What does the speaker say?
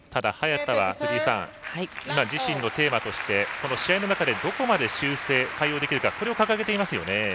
藤井さん、早田は今、自身のテーマとして試合の中でどこまで修正対応できるかこれを掲げていますよね。